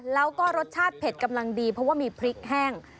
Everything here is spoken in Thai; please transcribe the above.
แล้วก็รสชาติเผ็ดกำลังดีเพราะว่ามีพริกแห้ง